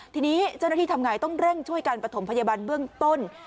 ทีนี้เจ้าหน้าที่ทำไงต้องเร่งช่วยการประถมพยาบาลเบื้องต้น